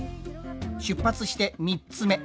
出発して３つ目。